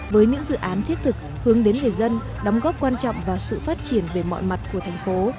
với những dự án thiết thực hướng đến người dân đóng góp quan trọng vào sự phát triển về mọi mặt của thành phố